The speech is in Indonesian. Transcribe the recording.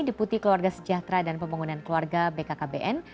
deputi keluarga sejahtera dan pembangunan keluarga bkkbn